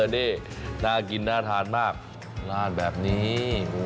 นี่น่ากินน่าทานมากน่านแบบนี้